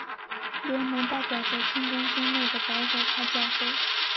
联盟代表着圣公宗内的保守派教会。